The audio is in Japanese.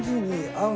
合う。